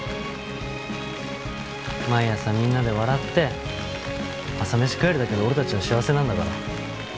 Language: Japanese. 毎朝みんなで笑って朝飯食えるだけで俺たちは幸せなんだから。